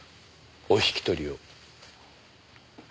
お引き取りを。